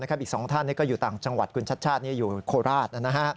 อีก๒ท่านก็อยู่ต่างจังหวัดคุณชัดชาติอยู่โคราช